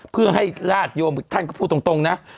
เพื่อให้ญาติโยมท่านก็พูดตรงนะ